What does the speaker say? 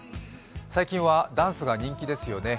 最近はダンスが人気ですよね。